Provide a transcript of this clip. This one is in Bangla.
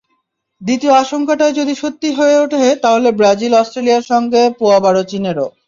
দ্বিতীয় আশঙ্কাটাও যদি সত্যি হয়ে ওঠে, তাহলে ব্রাজিল-অস্ট্রেলিয়ার সঙ্গে পোয়াবারো চীনেরও।